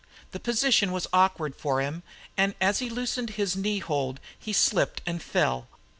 The position was awkward for him, and as he loosened his knee hold he slipped and fell.